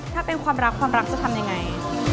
ถ้าเป็นความรักความรักจะทำยังไง